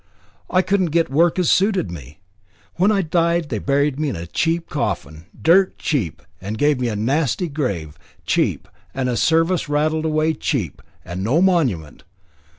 I couldn't get work as suited me. When I died they buried me in a cheap coffin, dirt cheap, and gave me a nasty grave, cheap, and a service rattled away cheap, and no monument.